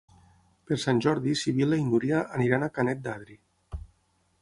Per Sant Jordi na Sibil·la i na Núria iran a Canet d'Adri.